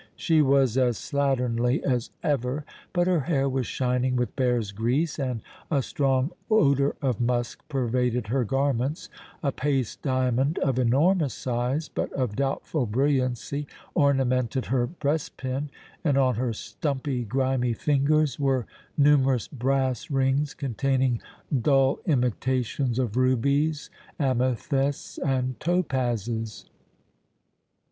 She was as slatternly as ever, but her hair was shining with bear's grease and a strong odor of musk pervaded her garments; a paste diamond of enormous size but of doubtful brilliancy ornamented her breastpin and on her stumpy, grimy fingers were numerous brass rings containing dull imitations of rubies, amethysts and topazes.